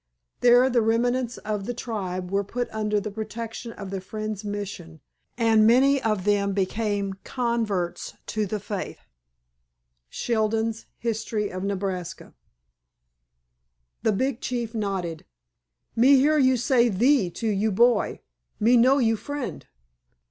There the remnants of the tribe were put under the protection of the Friends' Mission, and many of them became converts to the faith.—SHELDON'S History of Nebraska. The big chief nodded. "Me hear you say 'thee' to you boy. Me know you Friend."